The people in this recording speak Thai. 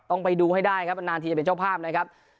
ต้องไปดูให้ได้ครับนานทีจะเป็นเจ้าภาพนะครับ